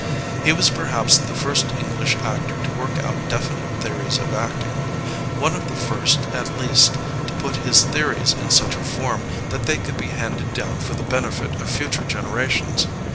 He was perhaps the first English actor to work out definite theories of acting; one of the first at least to put his theories in such a form that they could be handed down for the benefit of future generations.